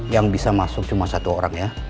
yang bisa masuk cuma satu orang ya